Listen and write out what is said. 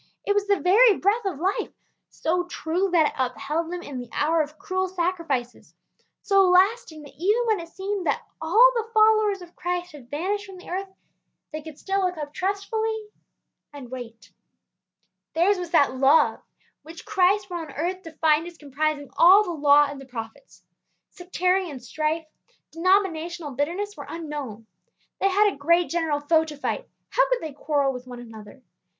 It was the very breath of life; so true that it upheld them in the hour of cruel sacrifices; so lasting that even when it seemed that all the followers of Christ had vanished from the earth, they could still look up trustfully and wait. Theirs was that love which Christ when on earth defined as comprising all the law and the prophets. Sectarian strife, denominational bitterness, were unknown. They had a great general foe to fight, how could they quarrel with one another.